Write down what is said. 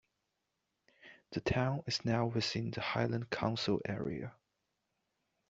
The town is now within the Highland council area.